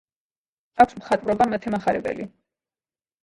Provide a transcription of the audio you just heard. აქვს მხატვრობა მათე მახარებელი.